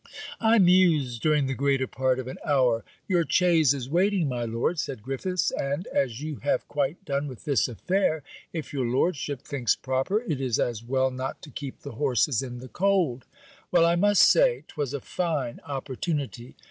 I mused during the greater part of an hour. 'Your chaise is waiting, my Lord,' said Griffiths; 'and, as you have quite done with this affair, if your Lordship thinks proper it is as well not to keep the horses in the cold. Well, I must say 'twas a fine opportunity!'